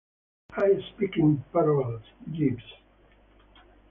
I speak in parables, Jeeves.